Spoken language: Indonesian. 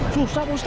susah pak ustadz